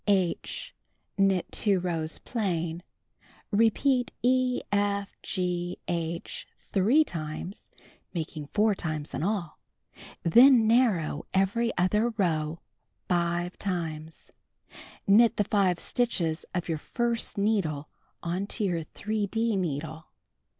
(H) Knit 2 rows plain. Repeat E, F, G, H, 3 times (making 4 times in all). Then narrow every other row 5 times. Knit the 5 stitches of your 1st needle onto your 3d needle.